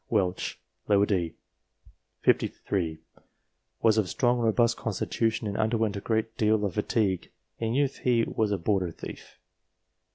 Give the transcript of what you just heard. Welch, d. set. 53 ; was of strong robust constitution and underwent a great deal of fatigue ; in youth he was a border thief.